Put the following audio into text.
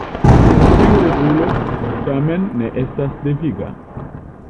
Tiu regulo tamen ne estas deviga.